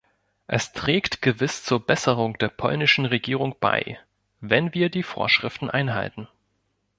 Es trägt gewiss zur Besserung der polnischen Regierung bei, wenn wir die Vorschriften einhalten.